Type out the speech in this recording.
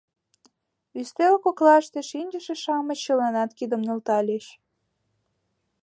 Ӱстел коклаште шинчыше-шамыч чыланат кидым нӧлтальыч.